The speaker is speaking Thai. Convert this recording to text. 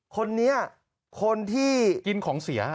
คนนี้คนที่กินของเสีย